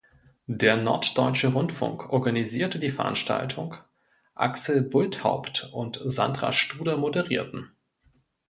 Der Norddeutsche Rundfunk organisierte die Veranstaltung, Axel Bulthaupt und Sandra Studer moderierten.